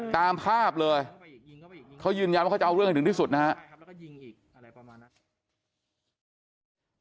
ตามภาพเลยเขายืนยันว่าเขาจะเอาเรื่องให้ถึงที่สุดนะฮะ